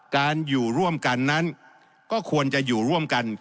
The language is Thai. การอยู่ร่วมกันนั้นก็ควรจะอยู่ร่วมกัน